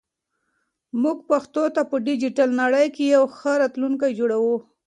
موږ پښتو ته په ډیجیټل نړۍ کې یو ښه راتلونکی جوړوو.